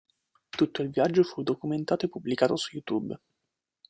Tutto il viaggio fu documentato e pubblicato su YouTube.